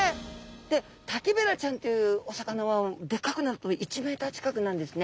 でタキベラちゃんというお魚はでかくなると１ｍ近くになるんですね。